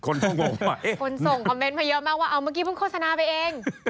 คนส่งคอมเมนต์มาเยอะมากว่าเอาเมื่อกี้พึ่งโฆษณาไปเอง